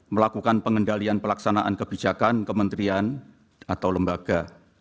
melakukan pengendalian pelaksanaan kebijakan kementerian atau lembaga